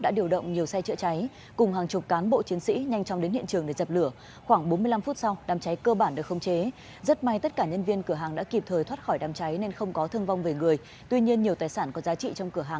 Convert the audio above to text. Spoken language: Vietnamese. đã điều động nhiều xe chữa cháy cùng hàng chục cán bộ chiến sĩ nhanh chóng đến hiện trường để dập lửa